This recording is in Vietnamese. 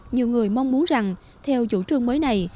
nhiều người mong muốn rằng theo chủ trương mới này